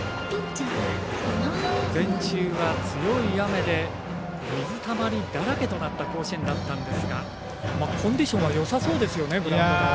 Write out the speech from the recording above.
午前中は強い雨で水溜りだらけになった甲子園ですがコンディションはよさそうですね。